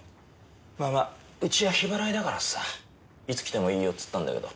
まあまあうちは日払いだからさいつ来てもいいよっつったんだけど。